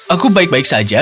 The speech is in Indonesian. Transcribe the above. aku baik baik saja